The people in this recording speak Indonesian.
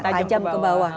tajam ke bawah